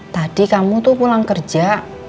tadi kamu tuh pulang kerja